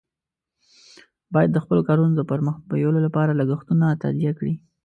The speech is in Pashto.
باید د خپلو کارونو د پر مخ بیولو لپاره لګښتونه تادیه کړي.